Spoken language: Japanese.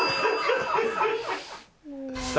さあ